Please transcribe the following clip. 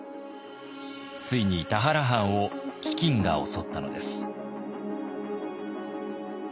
ついに田原藩を飢饉が襲ったのです。